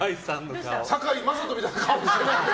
堺雅人みたいな顔して。